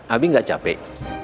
abi gak capek